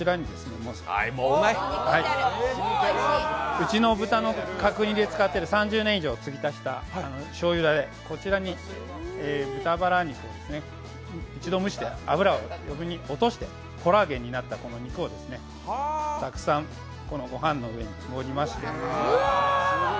うちの豚の角煮で使っている、３０年以上つぎ足したしょうゆだれ、こちらに豚バラ肉ですね、一度蒸して脂を落としてコラーゲンになった肉をたくさんご飯の上に盛りまして。